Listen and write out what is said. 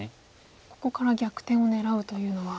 ここから逆転を狙うというのは。